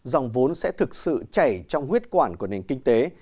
dòng vốn sẽ thực sự chảy trong huyết quản của nền kinh tế